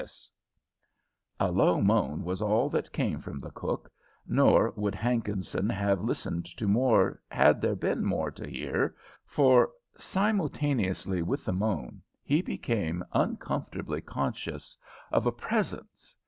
A low moan was all that came from the cook, nor would Hankinson have listened to more had there been more to hear, for simultaneously with the moan he became uncomfortably conscious of a presence.